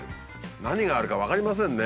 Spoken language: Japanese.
何があるか分かりませんね。